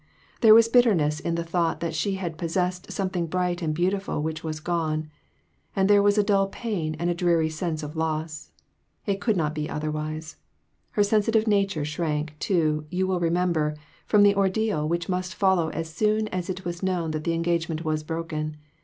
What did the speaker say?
There was bit terness in the thought that she had possessed something bright and beautiful which was gone, and there was a dull pain and a dreary sense of loss; it could not be otherwise. Her sensitive nature shrank, too, you will remember, from the ordeal which must follow as soon as it was known that the engagement was broken.